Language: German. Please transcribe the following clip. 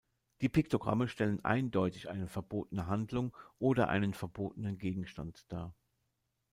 Die Piktogramme stellen eindeutig eine verbotene Handlung oder einen verbotenen Gegenstand dar.